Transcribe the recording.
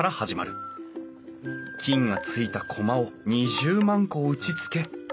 菌がついたコマを２０万個打ちつけ